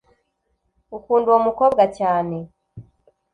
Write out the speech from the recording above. Akunda Uwo Mukobwa Cyane